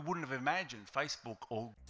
tưởng tượng facebook hoặc facebook